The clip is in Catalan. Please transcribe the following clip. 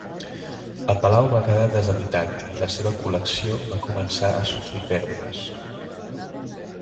El palau va quedar deshabitat i la seva col·lecció va començar a sofrir pèrdues.